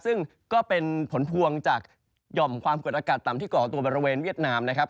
ซึ่งก็เป็นผลพวงจากหย่อมความกดอากาศต่ำที่ก่อตัวบริเวณเวียดนามนะครับ